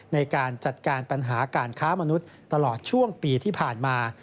ในการจัดการปัญหาการค้ามนุษย์ตลอดช่วงปีที่ผ่านมา